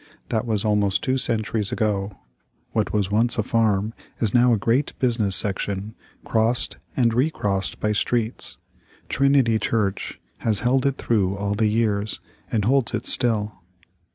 That was almost two centuries ago. What was once a farm is now a great business section, crossed and recrossed by streets. Trinity Church has held it through all the years, and holds it still.